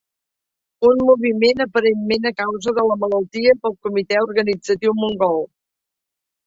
Un moviment aparentment a causa de la malaltia del comité organitzatiu mongol.